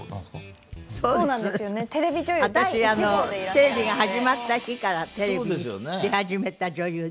テレビが始まった日からテレビ出始めた女優です。